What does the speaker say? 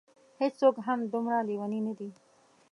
هېڅوک هم دومره لېوني نه دي.